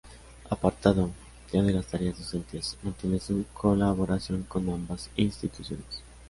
Apartado ya de las tareas docentes, mantiene su colaboración con ambas instituciones.